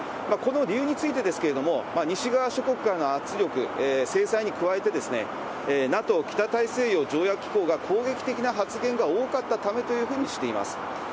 この理由についてですけれども、西側諸国からの圧力、制裁に加えて、ＮＡＴＯ・北大西洋条約機構が攻撃的な発言が多かったためとしています。